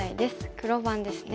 黒番ですね。